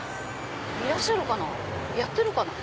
いらっしゃるかなやってるかな？